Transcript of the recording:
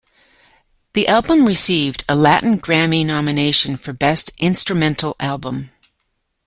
The album received a Latin Grammy nomination for Best Instrumental Album.